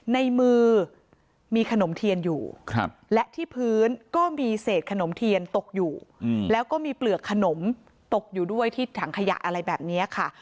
ในมือมีขนมเทียนอยู่และที่พื้นก็มีเศษขนมเทียนตกอยู่แล้วก็มีเปลือกขนมตกอยู่ด้วยที่ถังขยะอะไรแบบนี้ค่ะ